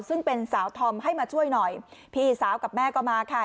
ซึ่งเป็นสาวธอมให้มาช่วยหน่อยพี่สาวกับแม่ก็มาค่ะ